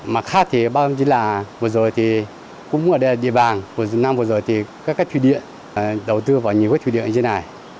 mặt khác thì bao nhiêu là vừa rồi thì cũng ở đây là địa bàn vừa rồi thì các thủy địa đầu tư vào nhiều cái thủy địa như thế này